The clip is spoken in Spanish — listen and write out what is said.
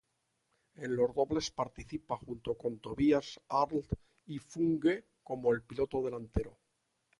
En los dobles, participa junto con Tobias Arlt y funge como el piloto delantero.